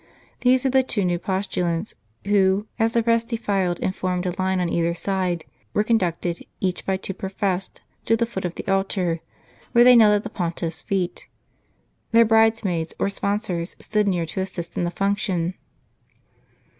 These were the two new postulants, who, as the rest defiled and formed a line on either side, were conducted, each by two professed, to the foot of the altar, where they knelt at the Pontiff's feet. Their brides maids, or sponsors, stood near to assist in the function.